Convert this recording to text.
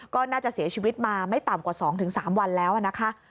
ก็น่าจะเสียชีวิตมาไม่ต่ำกว่า๒๓วันแล้วนะคะ